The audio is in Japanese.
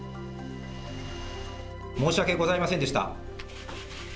申し訳ございませんでした。